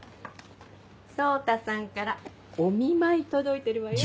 蒼太さんからお見舞い届いてるわよ。